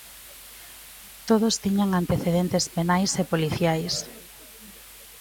Todos tiñan antecedentes penais e policiais.